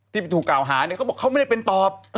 ที่ถูกกล่าวหาเนี่ยเขาบอกเขาไม่ได้เป็นตอบ